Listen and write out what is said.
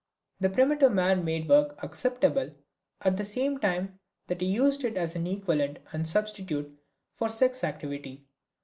The primitive man made work acceptable at the same time that he used it as an equivalent and substitute for sex activity.